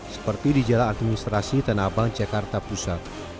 seperti di jalan administrasi tanah abang jakarta pusat